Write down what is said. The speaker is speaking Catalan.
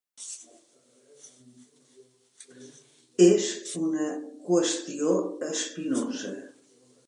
És una qüestió espinosa.